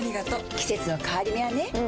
季節の変わり目はねうん。